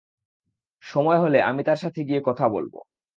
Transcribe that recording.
সময় হলে, আমি তার সাথে গিয়ে কথা বলবো।